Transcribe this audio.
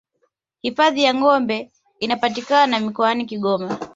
hifadhi ya gombe inapatikana mkoani kigoma